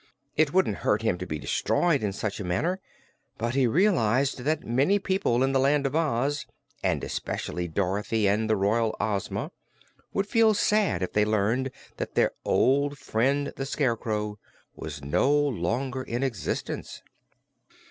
It wouldn't hurt him to be destroyed in such a manner, but he realized that many people in the Land of Oz, and especially Dorothy and the Royal Ozma, would feel sad if they learned that their old friend the Scarecrow was no longer in existence.